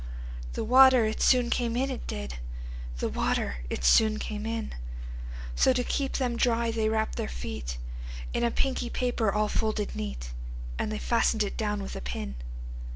The water it soon came in, it did; The water it soon came in:So, to keep them dry, they wrapp'd their feetIn a pinky paper all folded neat:And they fasten'd it down with a pin.